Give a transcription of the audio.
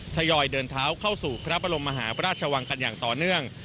ทยอยเดินเท้าเข้าสู่พระบรมมหาพระราชวังกันอย่างต่อเนื่อง